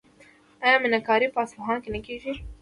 آیا میناکاري په اصفهان کې نه کیږي؟